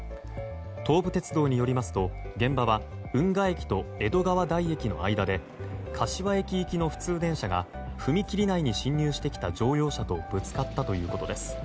東武鉄道によりますと現場は運河駅と江戸川台駅の間で柏駅行きの普通電車が踏切内に進入してきた乗用車とぶつかったということです。